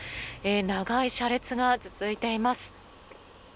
長い車列が続いています。